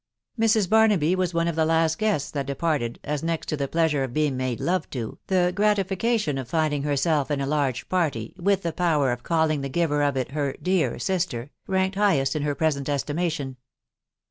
Mrs. Barnaby was one of the last guests that departed, atf* next to the pleasure of being made love to, the gratification of finding herself in a large party, with the power of calling Iba* giver of it her " dear sister," ranked highest in Aer present estimation.